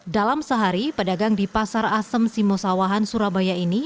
dalam sehari pedagang di pasar asem simosawahan surabaya ini